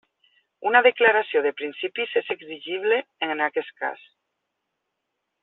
Una declaració de principis és exigible, en aquest cas.